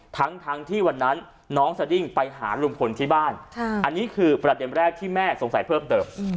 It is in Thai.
ทั้งที่วันนั้นน้องสดิ้งไปหาลุงพลที่บ้านอันนี้คือประเด็นแรกที่แม่สงสัยเพิ่มเติม